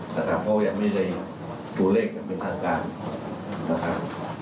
เพราะว่ายังไม่ได้สู่เลขเป็นทางการนะครับ